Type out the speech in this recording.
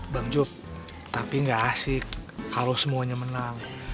bang job tapi gak asik kalo semuanya menang